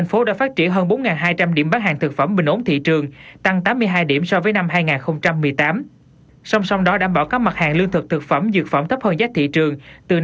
cho mặt hàng lương thực thực phẩm dược phẩm thấp hơn giá thị trường